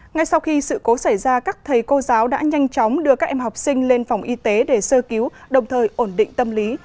ngay sau khi sự cố xảy ra các thầy cô giáo đã nhanh chóng đưa các em học sinh lên phòng y tế để sơ cứu đồng thời ổn định tâm lý